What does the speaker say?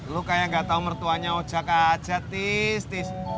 lu kayak gak tau mertuanya ojek aja tis tis